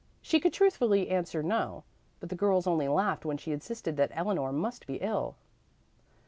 she could truthfully answer "No." But the girls only laughed when she insisted that Eleanor must be ill.